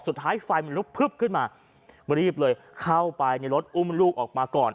ไฟมันลุกพึบขึ้นมารีบเลยเข้าไปในรถอุ้มลูกออกมาก่อน